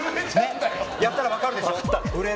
やったら分かるでしょ？